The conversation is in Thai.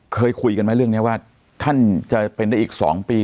เคยคุยกันไหมเรื่องนี้ว่าท่านจะเป็นได้อีก๒ปี